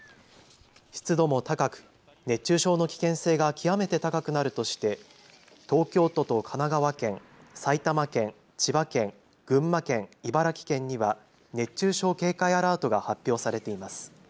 湿度も高く熱中症の危険性が極めて高くなるとして東京都と神奈川県、埼玉県、千葉県、群馬県、茨城県には熱中症警戒アラートが発表されています。